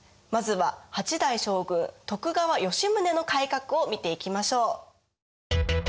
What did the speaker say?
まずは８代将軍・徳川吉宗の改革を見ていきましょう。